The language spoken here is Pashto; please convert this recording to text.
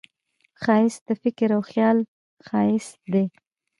ښایست د فکر او خیال ښایست دی